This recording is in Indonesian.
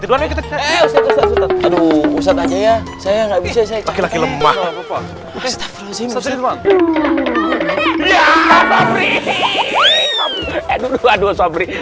tuh kan tuh kan tuh kan yaaah tuh kan yaaah tuh kan yaaah tuh kan